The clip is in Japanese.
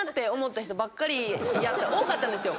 多かったんですよ。